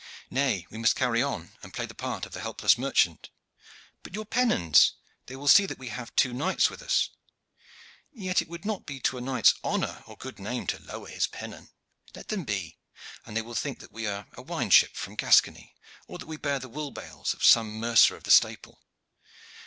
"Nay, we must carry on and play the part of the helpless merchant." "But your pennons? They will see that we have two knights with us." "Yet it would not be to a knight's honor or good name to lower his pennon. Let them be, and they will think that we are a wine ship for Gascony, or that we bear the wool bales of some mercer of the Staple.